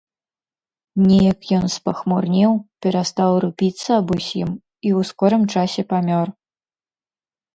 Неяк ён спахмурнеў, перастаў рупіцца аб усім і ў скорым часе памёр.